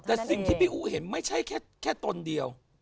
แต่สิ่งที่พี่อู๋เห็นไม่ใช่แค่ตนเดียว